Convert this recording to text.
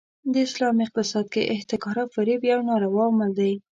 د اسلام اقتصاد کې احتکار او فریب یو ناروا عمل دی.